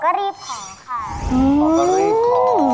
ขอกรีบของ